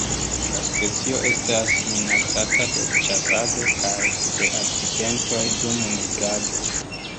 La specio estas minacata de ĉasado kaj de akcidentoj dum migrado.